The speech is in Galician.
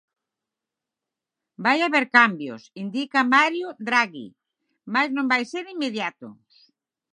Vai haber cambios, indica Mario Draghi, mais non van ser inmediatos.